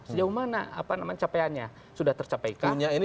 sejauh mana apa namanya capaiannya sudah tercapekan